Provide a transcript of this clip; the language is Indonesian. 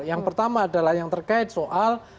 yang pertama adalah yang terkait soal